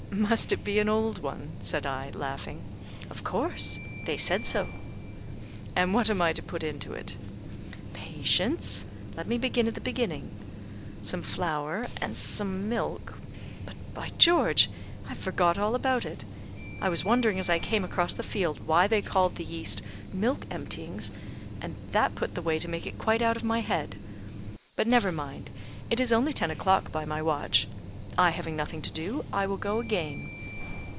"Must it be an old one?" said I, laughing. "Of course; they said so." "And what am I to put into it?" "Patience; let me begin at the beginning. Some flour and some milk but, by George! I've forgot all about it. I was wondering as I came across the field why they called the yeast milk emptyings, and that put the way to make it quite out of my head. But never mind; it is only ten o'clock by my watch. I having nothing to do; I will go again."